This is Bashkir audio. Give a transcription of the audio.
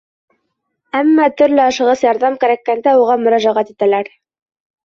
Әммә төрлө ашығыс ярҙам кәрәккәндә уға мөрәжәғәт итәләр.